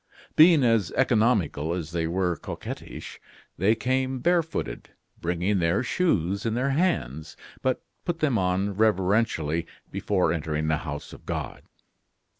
Being as economical as they were coquettish, they came barefooted, bringing their shoes in their hands, but put them on reverentially before entering the house of God.